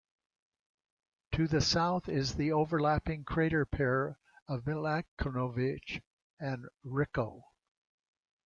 To the south is the overlapping crater pair of Milankovic and Ricco.